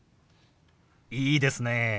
いいですね。